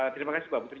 terima kasih mbak putri